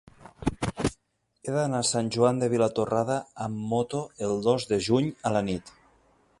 He d'anar a Sant Joan de Vilatorrada amb moto el dos de juny a la nit.